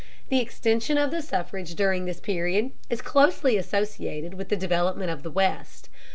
The extension of the suffrage during this period is closely associated with the development of the West.